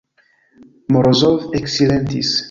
Morozov eksilentis.